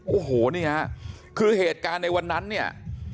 โอ้โหนี่ฮะคือเหตุการณ์ในวันนั้นเนี่ย